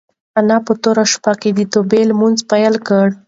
انا په توره شپه کې د توبې لمونځ پیل کړ.